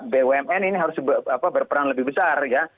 bumn ini harus berperan lebih besar ya